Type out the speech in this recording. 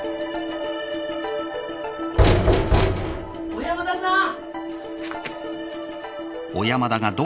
・・小山田さん！